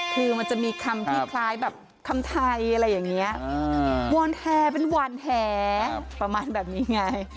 คือมันจะมีคำที่คล้ายแบบคำไทยอะไรอย่างนี้วอนแฮเป็นวานแหประมาณแบบนี้ไง